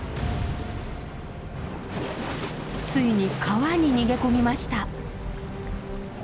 ついに川に逃げ込みました。